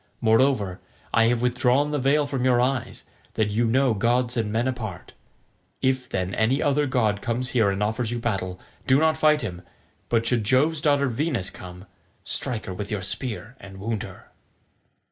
Moreover, I have withdrawn the veil from your eyes, that you know gods and men apart. If, then, any other god comes here and offers you battle, do not fight him; but should Jove's daughter Venus come, strike her with your spear and wound her."